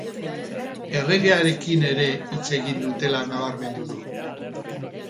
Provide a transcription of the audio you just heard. Erregearekin ere hitz egin dutela nabarmendu du.